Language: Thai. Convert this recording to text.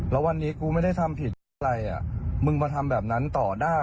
แล้ววันนี้กูไม่ได้ทำผิดเพราะอะไรอ่ะมึงมาทำแบบนั้นต่อได้